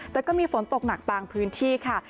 แต่ก็มีฝนตกหนักบางพื้นที่ค่ะ